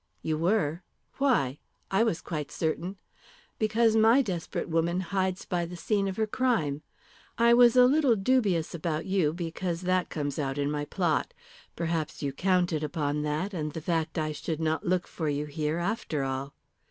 "You were. Why? I was quite certain " "Because my desperate woman hides by the scene of her crime. I was a little dubious about you because that comes out in my plot. Perhaps you counted upon that, and the fact I should not look for you here, after all.